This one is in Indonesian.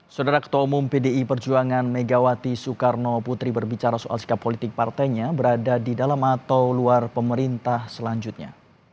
saudara ketua umum pdi perjuangan megawati soekarno putri berbicara soal sikap politik partainya berada di dalam atau luar pemerintah selanjutnya